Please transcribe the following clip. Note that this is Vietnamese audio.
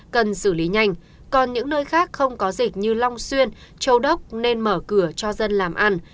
cần xử lý nhanh còn những nơi khác không có dịch như long xuyên châu đốc nên mở cửa cho dân làm ăn